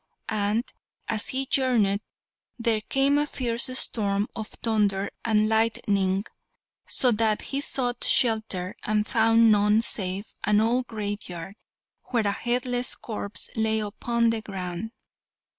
And as he journeyed there came a fierce storm of thunder and lightning, so that he sought shelter, and found none save an old graveyard, where a headless corpse lay upon the ground.